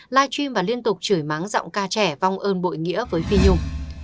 live stream và liên tục chửi mắng giọng ca trẻ vong ơn bội nghĩa với phi nhung